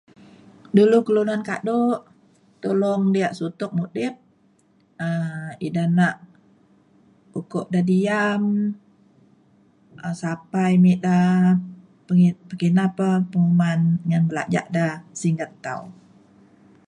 Dulu kelunan kadu tolong biak sutok udip [unintelligible] ina nak ukuk da diam um sapai me da penginah pa penguman ya belajak da singget tau.